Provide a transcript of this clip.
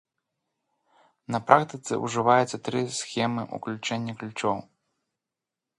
На практыцы ўжываецца тры схемы ўключэння ключоў.